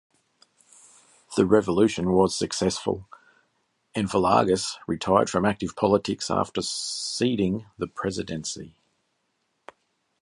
The revolution was successful, and Villegas retired from active politics after ceding the presidency.